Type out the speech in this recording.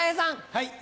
はい。